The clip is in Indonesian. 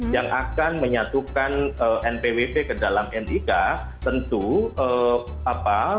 yang akan menyatukan npwp ke dalam nik tentu apa